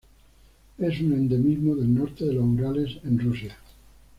Es un endemismo del norte de los Urales en Rusia.